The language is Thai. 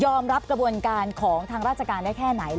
รับกระบวนการของทางราชการได้แค่ไหน